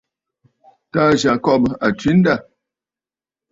Taà Yacob a tswe andâ.